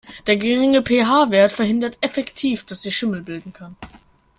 Der geringe PH-Wert verhindert effektiv, dass sich Schimmel bilden kann.